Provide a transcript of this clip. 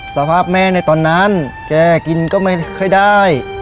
สภาพแม่ในตอนนั้นแกกินก็ไม่ค่อยได้